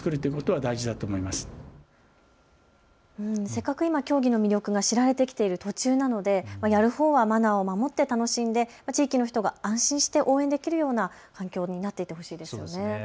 せっかく今、競技の魅力が知られてきている途中なのでやるほうはマナーを守って楽しんで、地域の人が安心して応援できるような環境になっていってほしいですよね。